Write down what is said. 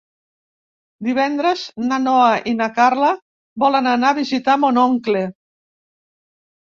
Divendres na Noa i na Carla volen anar a visitar mon oncle.